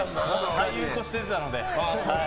俳優として出てたので。